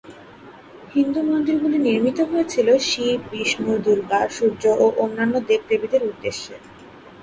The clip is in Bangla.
হিন্দু মন্দিরগুলি নির্মিত হয়েছিল শিব, বিষ্ণু, দুর্গা, সূর্য ও অন্যান্য দেবদেবীদের উদ্দেশ্যে।